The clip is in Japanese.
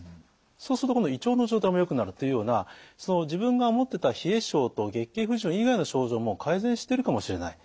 そうすると今度胃腸の状態もよくなるというようなその自分が思ってた冷え性と月経不順以外の症状も改善してるかもしれない。